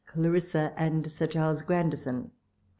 " CLARISSA " AXD "SIR CHARLES GRAyVISOX."